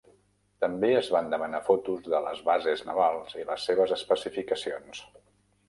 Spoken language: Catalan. També es van demanar fotos de les bases navals i les seves especificacions.